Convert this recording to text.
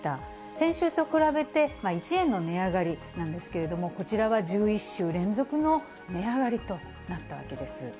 先週と比べて、１円の値上がりなんですけれども、こちらは１１週連続の値上がりとなったわけです。